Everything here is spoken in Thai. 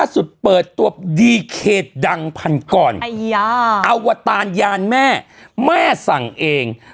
สุดเปิดตัวดีเขตดังพันกรอวตารยานแม่แม่สั่งเอง